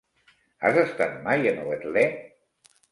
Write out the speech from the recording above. Has estat mai a Novetlè?